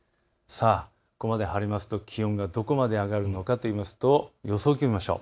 ここまで晴れると気温がどこまで上がるのかというと予想気温を見ましょう。